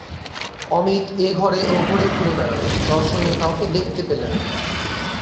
অমিত এ-ঘরে ও-ঘরে ঘুরে বেড়ালে, দর্শনীয় কাউকে দেখতে পেলে না।